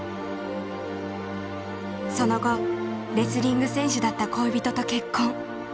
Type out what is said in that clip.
その後レスリング選手だった恋人と結婚。